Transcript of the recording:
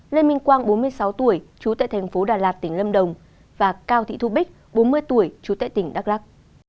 lê minh quang bốn mươi sáu tuổi chú tệ tp đà lạt tỉnh lâm đồng và cao thị thu bích bốn mươi tuổi chú tệ tỉnh đắk lắc